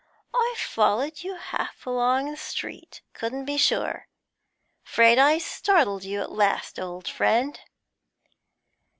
'I've followed you half along the street; couldn't be sure. Afraid I startled you at last, old friend.'